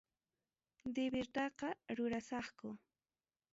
Divirtaqa rurasaqku.